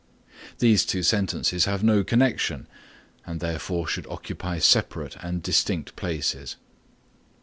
These two sentences have no connection and therefore should occupy separate and distinct places.